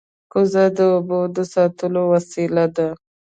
کوزه د اوبو د ساتلو وسیله ده